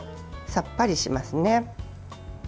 さっぱりしますね。